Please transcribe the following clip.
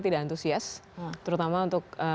tidak antusias terutama untuk